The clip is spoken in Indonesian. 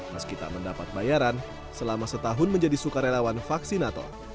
meskipun mendapat bayaran selama setahun menjadi sukarelawan vaksinator